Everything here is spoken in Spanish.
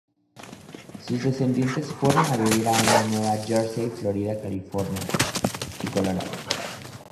Sus descendientes fueron a vivir a Nueva Jersey, Florida, California, y Colorado.